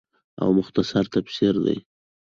او مختصر تفسير دے